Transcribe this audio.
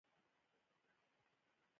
هغه د انګریزانو په زور خبر وو.